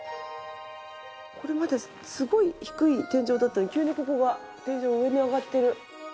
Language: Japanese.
これまですごい低い天井だったのに急にここが天井上に上がってる。